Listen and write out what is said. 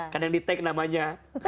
kadang di tag namanya